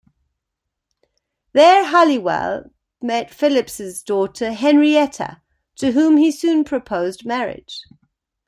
There Halliwell met Phillipps's daughter, Henrietta, to whom he soon proposed marriage.